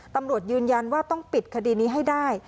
ตำรวจยืนยันว่าต้องปิดคดีนี้ให้ได้